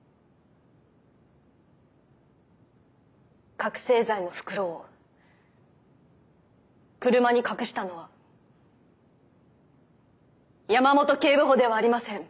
覚醒剤の袋を車に隠したのは山本警部補ではありません。